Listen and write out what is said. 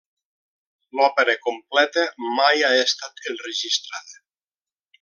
L'òpera completa mai ha estat enregistrada.